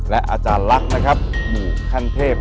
และอาจารย์ลักษณ์นะครับหมู่ขั้นเทพ